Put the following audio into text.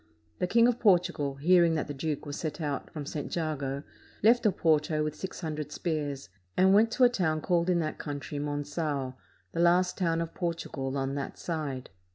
The King of Portugal, hearing that the duke was set out from St. Jago, left Oporto with six hundred spears, and went to a town called in that country Mongao, the last town of Portugal on that side.